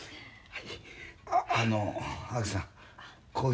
はい。